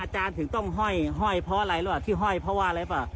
ถึงต้องห้อยเพราะอะไรหรือเปล่าที่ห้อยเพราะว่าอะไรป่ะ